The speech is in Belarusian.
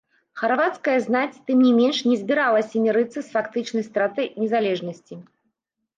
Харвацкая знаць, тым не менш, не збіралася мірыцца з фактычнай стратай незалежнасці.